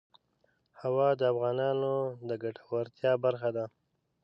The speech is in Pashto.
هوا د افغانانو د ګټورتیا برخه ده.